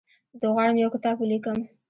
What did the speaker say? زه غواړم یو کتاب ولیکم.